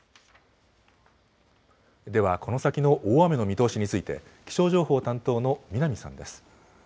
ではこの先の大雨の見通しについて気象情報担当の南さんです。